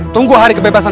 jangan lupa di depan